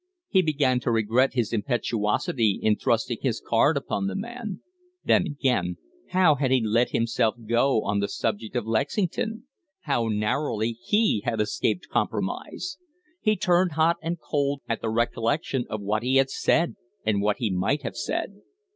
He began to regret his impetuosity in thrusting his card upon the man. Then, again, how he had let himself go on the subject of Lexington! How narrowly he had escaped compromise! He turned hot and cold at the recollection of what he had said and what he might have said.